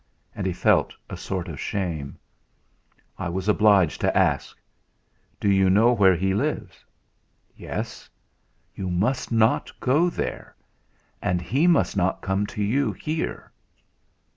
And he felt a sort of shame. "I was obliged to ask. Do you know where he lives?" "Yes." "You must not go there. And he must not come to you, here."